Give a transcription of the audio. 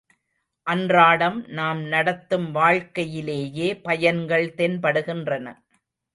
அன்றாடம் நாம் நடத்தும் வாழ்க்கையிலேயே பயன்கள் தென்படுகின்றன.